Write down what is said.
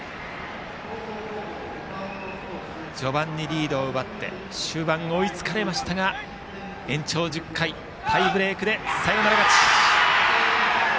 序盤にリードを奪って終盤追いつかれましたが延長１０回タイブレークでサヨナラ勝ち。